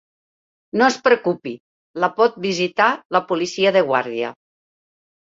No es preocupi, la pot visitar la policia de guàrdia.